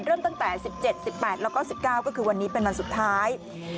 เริ่มตั้งแต่๑๗๑๘แล้วก็๑๙ก็คือวันนี้เป็นวันสุดท้าย